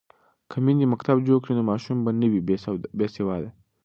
که میندې مکتب جوړ کړي نو ماشوم به نه وي بې سواده.